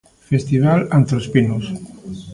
Festival Antrospinos.